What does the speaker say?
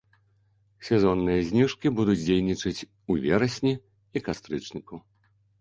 Сезонныя зніжкі будуць дзейнічаць у верасні і кастрычніку.